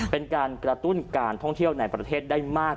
เป็นการกระตุ้นการท่องเที่ยวในประเทศได้มาก